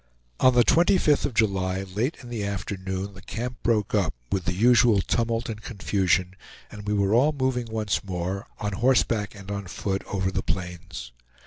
On the 25th of July, late in the afternoon, the camp broke up, with the usual tumult and confusion, and we were all moving once more, on horseback and on foot, over the plains.